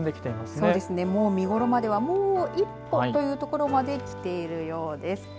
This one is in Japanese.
そうですね、もう見ごろまではもう一歩というところまできているようです。